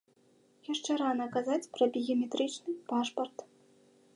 Яшчэ рана казаць пра біяметрычны пашпарт.